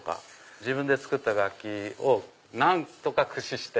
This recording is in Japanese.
自分で作った楽器を何とか駆使して。